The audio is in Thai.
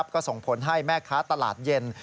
ก็ส่งผลให้แม่ค้าตลาดเย็น